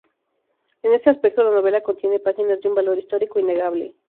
En este aspecto, la novela contiene páginas de un valor histórico innegable".